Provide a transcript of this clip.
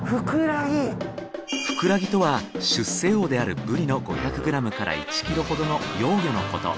フクラギとは出世魚であるブリの５００ｇから１ｋｇほどの幼魚のこと。